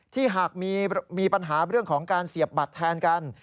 หากมีปัญหาเรื่องของการเสียบบัตรแทนกัน